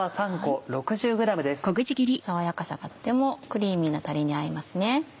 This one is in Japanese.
爽やかさがとてもクリーミーなたれに合いますね。